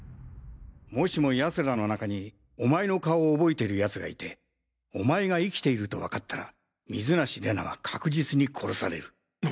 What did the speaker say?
もしも奴らの中にお前の顔を覚えている奴がいてお前が生きているとわかったら水無怜奈は確実に殺される。